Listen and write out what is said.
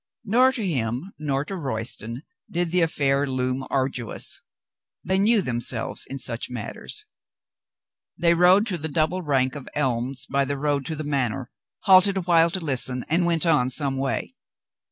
Nor to him nor to Royston did the aff^air loom arduous. They knew themselves in such matters. They rode 48 COLONEL GREATHEART to the double rank of elms by the road to the Manor, halted a while to listen^ and went on some way.